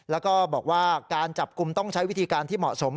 แล้วก็บอกว่าการจับกลุ่มต้องใช้วิธีการที่เหมาะสม